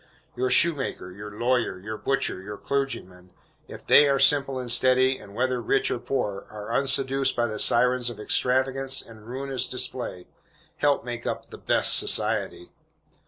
Your shoemaker, your lawyer, your butcher, your clergyman if they are simple and steady, and, whether rich or poor, are unseduced by the sirens of extravagance and ruinous display, help make up the "best society."